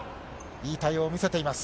いい対応を見せています。